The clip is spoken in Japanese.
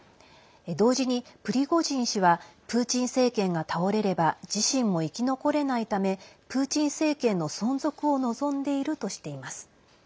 同時に、プリゴジン氏はプーチン政権が倒れれば自身も生き残れないためプーチン政権の存続を望んでいるとしています。